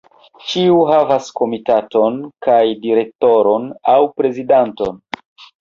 Ĉiu havas komitaton kaj direktoron aŭ prezidanton.